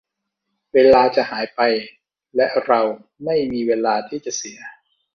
เวลาจะหายไปและเราไม่มีเวลาที่จะเสีย